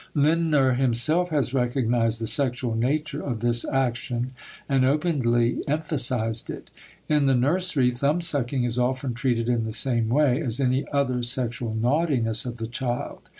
Lindner himself has recognized the sexual nature of this action and openly emphasized it. In the nursery thumbsucking is often treated in the same way as any other sexual "naughtiness" of the child.